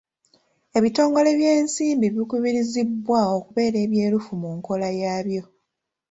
Ebitongole by'ensimbi bikubirizibwa okubeera ebyerufu mu nkola yaabyo.